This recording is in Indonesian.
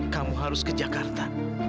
kamu harus ke jakarta